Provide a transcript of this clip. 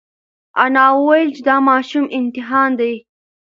انا وویل چې دا ماشوم امتحان دی.